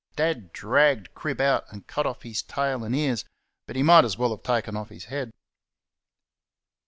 Dad dragged Crib out and cut off his tail and ears, but he might as well have taken off his head.